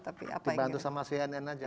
ya saya dibantu sama cnn aja